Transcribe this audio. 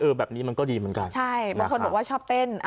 แบบนี้มันก็ดีเหมือนกันใช่บางคนบอกว่าชอบเต้น